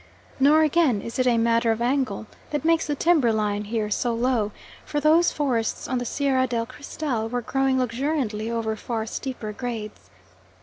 Nor, again, is it a matter of angle that makes the timber line here so low, for those forests on the Sierra del Cristal were growing luxuriantly over far steeper grades.